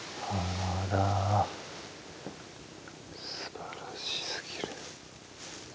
すばらしすぎる。